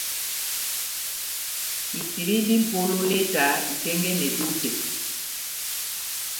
Itilindi mʼpolo leta itɛ́ngɛ́nɛ dutɛ.